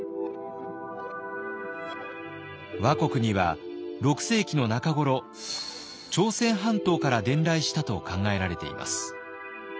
倭国には６世紀の中頃朝鮮半島から伝来したと考えられています。